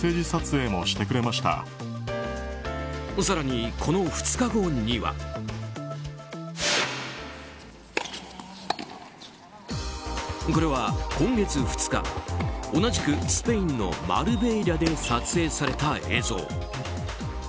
更に、この２日後には。これは、今月２日同じくスペインのマルベーリャで撮影された映像。